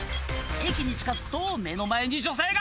駅に近づくと目の前に女性が！